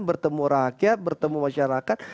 bertemu rakyat bertemu masyarakat